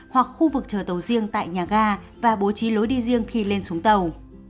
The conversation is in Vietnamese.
hoặc khu vực chờ tàu riêng tại nhà ga và bố trí lối đi riêng khi lên xuống tàu